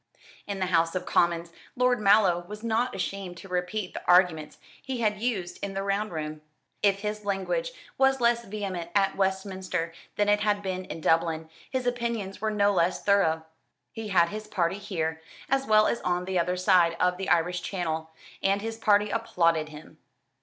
In the House of Commons Lord Mallow was not ashamed to repeat the arguments he had used in the Round Room. If his language was less vehement at Westminster than it had been in Dublin, his opinions were no less thorough. He had his party here, as well as on the other side of the Irish Channel; and his party applauded him.